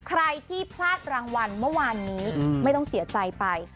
ใครที่พลาดรางวัลเมื่อวานนี้ไม่ต้องเสียใจไป